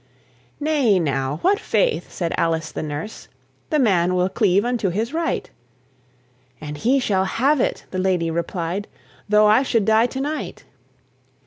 "Nay now, what faith?" said Alice the nurse, "The man will cleave unto his right," "And he shall have it," the lady replied, "Tho' I should die to night."